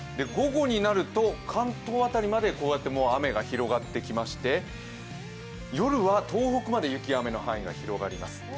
午後になると、関東辺りまでこうやって雨が広がってきまして、夜は東北まで雪・雨の範囲が広がります。